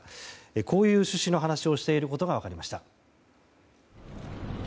こういう趣旨の話をしていることが分かりました。